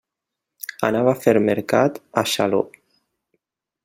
Anava a fer mercat a Xaló.